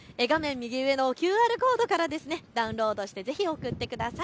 右上のＱＲコードからダウンロードしてぜひ送ってください。